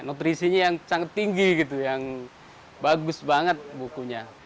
nutrisinya yang sangat tinggi gitu yang bagus banget bukunya